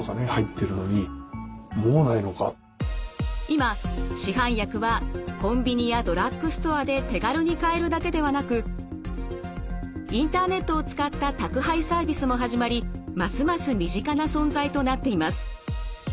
今市販薬はコンビニやドラッグストアで手軽に買えるだけではなくインターネットを使った宅配サービスも始まりますます身近な存在となっています。